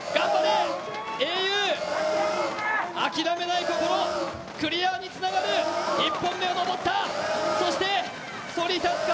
英雄、諦めない心、クリアにつながる１本目を登った、そしてそり立つ壁